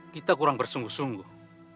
kita kurang bersungguh sungguh